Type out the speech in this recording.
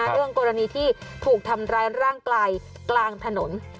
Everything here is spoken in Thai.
เรื่องกรณีที่ถูกทำร้ายร่างกายกลางถนน